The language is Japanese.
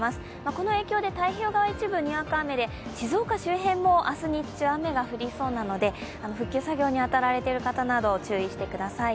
この影響で太平洋側一部にわか雨で、静岡県なども明日日中、雨が降りそうなので、復旧作業に当たられている方など注意してください。